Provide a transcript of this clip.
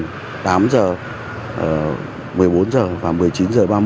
tám h một mươi bốn h và một mươi chín h ba mươi